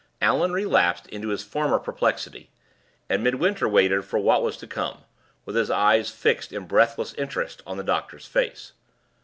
Allan relapsed into his former perplexity, and Midwinter waited for what was to come, with his eyes fixed in breathless interest on the doctor's face.